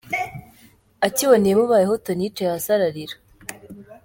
Akibona ibimubayeho Tonny yicaye hasi ararira.